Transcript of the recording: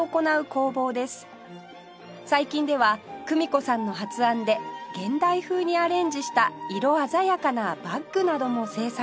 最近では久美子さんの発案で現代風にアレンジした色鮮やかなバッグなども製作